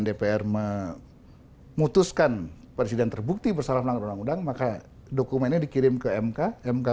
dpr memutuskan presiden terbukti bersalah melanggar undang undang maka dokumennya dikirim ke mk mk